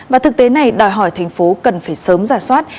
và thực tế này đòi hỏi thành phố cần phải sớm giả soát